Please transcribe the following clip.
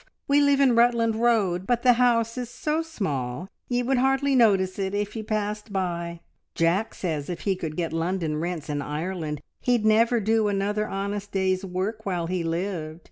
We live in Rutland Road, but the house is so small ye would hardly notice it if you passed by. Jack says if he could get London rents in Ireland, he'd never do another honest day's work while he lived.